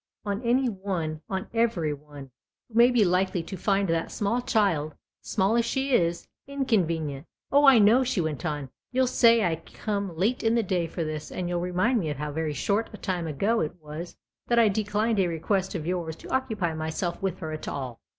" On any one, on every one, who may be likely to find that small child small as she is ! inconvenient. Oh, I know," she went on, " you'll say I come late in the day for this and you'll remind me of how very short a time ago it was that I declined a request of yours to occupy myself with her at all.